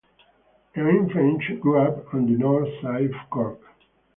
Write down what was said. Eoin French grew up on the north side of Cork.